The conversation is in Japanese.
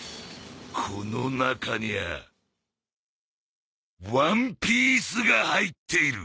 この中にゃあワンピースが入っている！